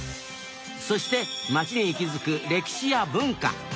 そして町に息づく歴史や文化。